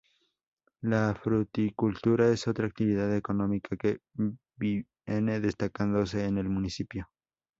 La fruticultura es otra actividad económica que viene destacándose en el municipio.